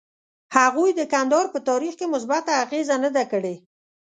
هغوی د کندهار په تاریخ کې مثبته اغیزه نه ده کړې.